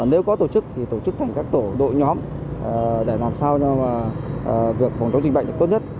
nếu có tổ chức thì tổ chức thành các tổ đội nhóm để làm sao việc phòng chống dịch bệnh được tốt nhất